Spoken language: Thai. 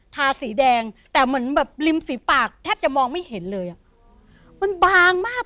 ทาสีแดงแต่เหมือนแบบริมฝีปากแทบจะมองไม่เห็นเลยอ่ะมันบางมาก